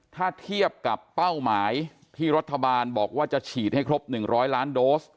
ถ้าเทียบกับเป้าหมายที่รัฐบาลบอกว่าจะฉีดให้ครบ๑๐๐ล้านโดส